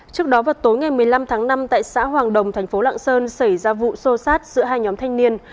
trước đó vào tối ngày một mươi năm tháng năm tại xã hoàng đồng thành phố lạng sơn xảy ra vụ sô sát giữa hai nhóm thanh niên